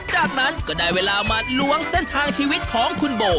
จากนั้นก็ได้เวลามาล้วงเส้นทางชีวิตของคุณโบ